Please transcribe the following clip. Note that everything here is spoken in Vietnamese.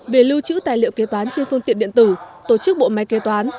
về lưu trữ tài liệu kế toán trên phương tiện điện tử tổ chức bộ máy kế toán